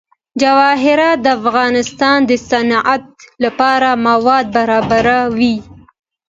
جواهرات د افغانستان د صنعت لپاره مواد برابروي.